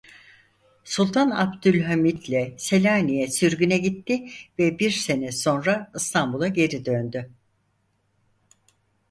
Sultan Abdülhamid'le Selanik'e sürgüne gitti ve bir sene sonra İstanbul'a geri döndü.